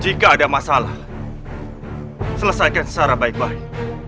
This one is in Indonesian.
jika ada masalah selesaikan secara baik baik